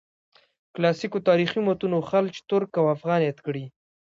کلاسیکو تاریخي متونو خلج، ترک او افغان یاد کړي.